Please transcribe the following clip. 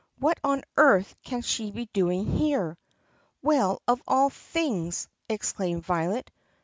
What on earth can she be doing here?" "Well, of all things!" exclaimed Violet.